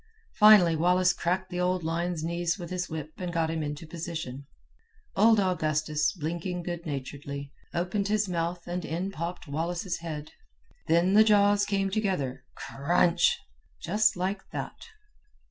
"Finally Wallace cracked the old lion's knees with his whip and got him into position. Old Augustus, blinking good naturedly, opened his mouth and in popped Wallace's head. Then the jaws came together, CRUNCH, just like that."